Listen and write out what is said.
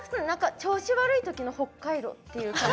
調子悪いときのホッカイロっていう感じ。